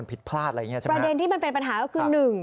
ประเด็นที่มันเป็นปัญหาก็คือหนึ่ง